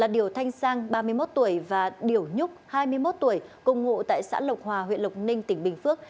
điều thanh sang ba mươi một tuổi và điểu nhúc hai mươi một tuổi cùng ngụ tại xã lộc hòa huyện lộc ninh tỉnh bình phước